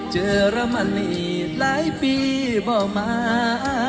เจอรมนีหลายปีบ่มา